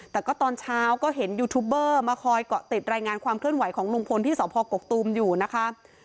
แต่ก็ตอนเช้าก็เห็นยูทูบเบอร์มาคอยเกาะติดรายงานความเคลื่อนไหวของลุงพลที่สพกกตูมอยู่นะคะ